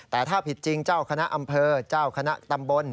แต่ถ้าผิดจริงเจ้าคณะอำเภอเจ้าคณะตำบล